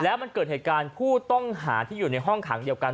แล้วมันเกิดเหตุการณ์ผู้ต้องหาที่อยู่ในห้องขังเดียวกัน